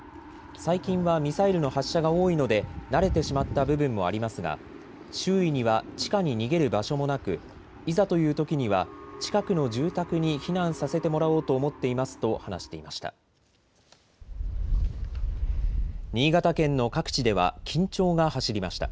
最近はミサイルの発射が多いので慣れてしまった部分もありますが周囲には地下に逃げる場所もなくいざというときには近くの住宅に避難させてもらおうと思っていますと話していました。